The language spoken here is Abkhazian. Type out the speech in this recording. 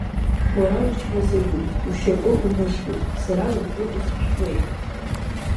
Уара учмазаҩуп, ушьапы умыхьуеи, сара уажәы усхәшәтәуеит.